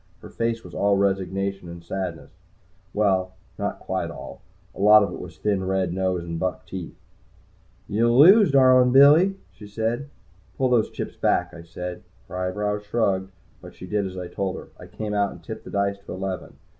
Her face was all resignation and sadness. Well, not quite all. A lot of it was thin, red nose and buck teeth. "You'll lose, darlin' Billy," she said. "Pull those chips back!" I said. Her eyebrows shrugged, but she did as I told her. I came out, and tipped the dice to eleven.